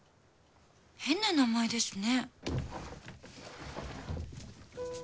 変な名前ですね。